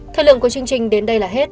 thời lượng của chương trình đến đây là hết